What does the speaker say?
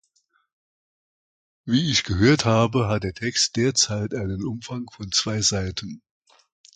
Wie ich gehört habe, hat der Text derzeit einen Umfang von zwei Seiten.